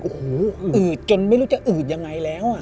โอ้โหอืดจนไม่รู้จะอืดยังไงแล้ว